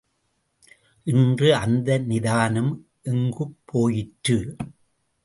இன்று அந்த நிதானம் எங்குப் போயிற்று?